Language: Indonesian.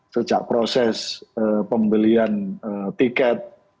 sejak proses pembelian tiket